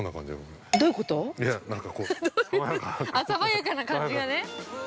◆爽やかな感じがね。